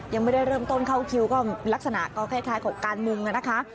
ยังไม่ได้เริ่มต้นเข้าคิวก็ลักษณะก็คล้ายกับการมุงนะคะ